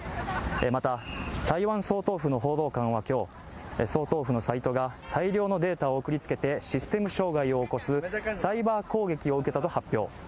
また、台湾総統府の報道官は今日総統府のサイトが大量のデータを送りつけて、システム障害を起こすサイバー攻撃を受けたと発表。